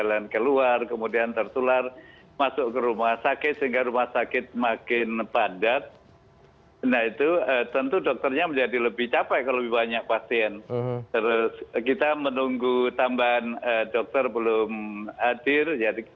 kan lakus tidak hanya dokter